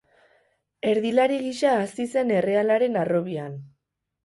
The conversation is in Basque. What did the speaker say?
Erdilari gisa hazi zen errealaren harrobian.